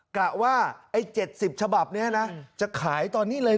กะว่าไอ้๗๐ฉบับนี้นะจะขายตอนนี้เลย